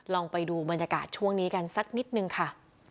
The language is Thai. ลองไปดูบรรยากาศช่วงนี้กันสักนิดนึงค่ะ